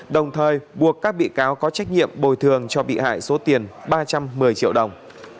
đồng thời buộc các bị cáo có trách nhiệm bồi thường cho bị hại số tiền ba trăm một mươi triệu đồng